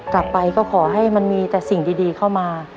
กลับไปก็ขอให้มันมีแต่สิ่งดีเข้ามา